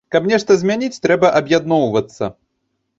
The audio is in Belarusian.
Каб нешта змяніць, трэба аб'ядноўвацца.